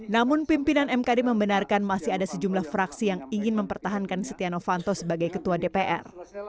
namun pimpinan mkd membenarkan masih ada sejumlah fraksi yang ingin mempertahankan setia novanto sebagai ketua dpr